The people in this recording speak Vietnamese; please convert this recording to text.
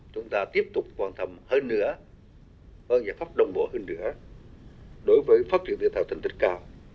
chúng ta tiếp tục quan tâm hơn nữa hơn giải pháp đồng bộ hơn nữa đối với phát triển thể thao tình tất cả